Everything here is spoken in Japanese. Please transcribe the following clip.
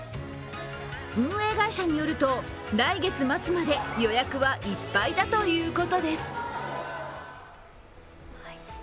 運営会社によると、来月末まで予約はいっぱいだということです。